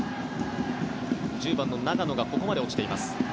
１０番の長野がここまで落ちています。